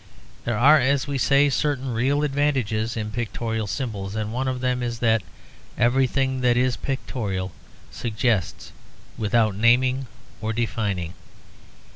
There are, as we say, certain real advantages in pictorial symbols, and one of them is that everything that is pictorial suggests, without naming or defining.